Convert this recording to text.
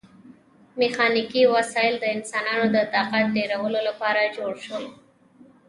میخانیکي وسایل د انسانانو د طاقت ډیرولو لپاره جوړ شول.